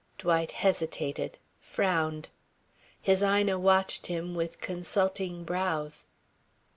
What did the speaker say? Dwight hesitated, frowned. His Ina watched him with consulting brows.